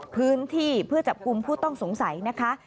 พื้นที่เพื่อจับกลุ่มผู้ต้องสงสัยนะคะ